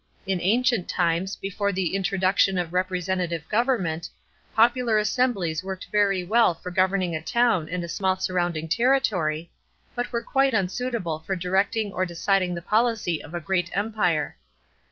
In ancient times, before the introduction of representative government, popular 30 GOVERNMENT OF PRINCE PS AND SENATE CHAP, m assemblies worked very well for governing a town and a small surrounding territory, but were quite unsuitable for directing or deciding the policy of a great empire.